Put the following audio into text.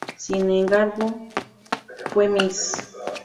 Sin embargo, fue Miss.